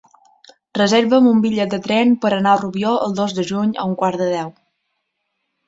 Reserva'm un bitllet de tren per anar a Rubió el dos de juny a un quart de deu.